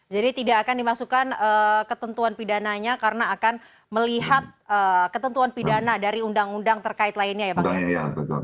tidak akan dimasukkan ketentuan pidananya karena akan melihat ketentuan pidana dari undang undang terkait lainnya ya bang